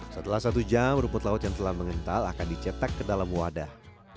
setelah satu jam rumput laut yang telah mengental akan dicetak ke dalam wadah